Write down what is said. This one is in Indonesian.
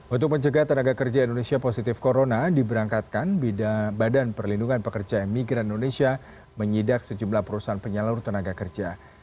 untuk mencegah tenaga kerja indonesia positif corona diberangkatkan badan perlindungan pekerja migran indonesia menyidak sejumlah perusahaan penyalur tenaga kerja